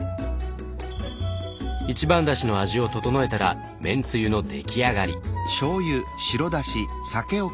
一番だしの味を調えたら麺つゆの出来上がり。